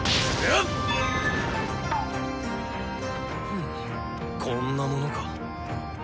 ふぅこんなものか。